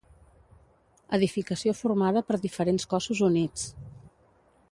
Edificació formada per diferents cossos units.